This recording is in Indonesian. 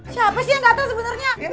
siapa sih yang gatel sebenarnya